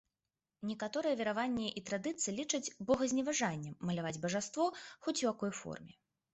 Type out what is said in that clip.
Некаторыя вераванні і традыцыі лічаць богазневажаннем маляваць бажаство хоць у якой форме.